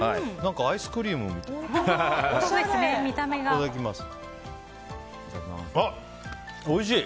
アイスクリームみたい。